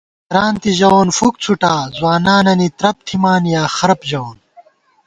بېرانتے ژَوون فُک څھُٹا، ځوانانَنی تَرپ تھِمان یا خرپ ژَوون